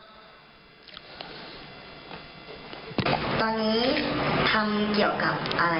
ดีแล้วขอหวังว่ายังไงท่านประหาร